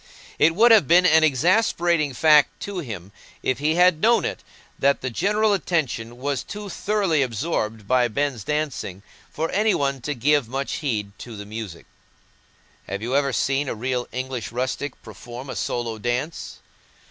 It would have been an exasperating fact to him, if he had known it, that the general attention was too thoroughly absorbed by Ben's dancing for any one to give much heed to the music. Have you ever seen a real English rustic perform a solo dance?